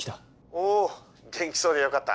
お元気そうでよかった。